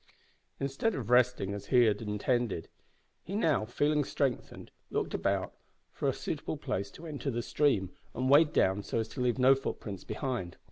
Instead of resting as he had intended, he now, feeling strengthened, looked about for a suitable place to enter the stream and wade down so as to leave no footprints behind.